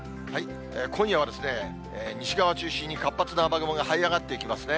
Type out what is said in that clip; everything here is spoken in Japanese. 今夜は西側中心に、活発な雨雲がはい上がっていきますね。